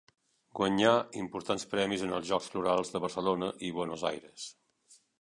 Guanyà importants premis en els Jocs Florals de Barcelona i Buenos Aires.